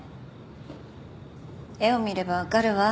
絵を見れば分かるわ。